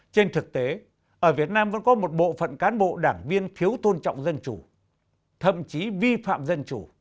trên thực tế ở việt nam vẫn có một bộ phận cán bộ đảng viên thiếu tôn trọng dân chủ thậm chí vi phạm dân chủ